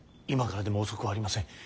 今からでも遅くはありません。